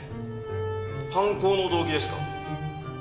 犯行の動機ですか？